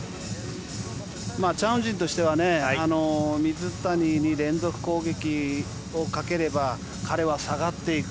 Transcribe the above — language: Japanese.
チャン・ウジンとしては水谷に連続攻撃をかければ彼は下がっていく。